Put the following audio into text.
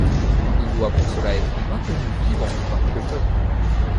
Il doit pour cela être maintenu vivant parmi le peuple.